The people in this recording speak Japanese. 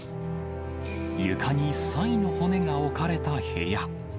床にサイの骨が置かれた部屋。